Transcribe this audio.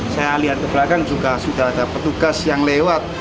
saya lihat ke belakang juga sudah ada petugas yang lewat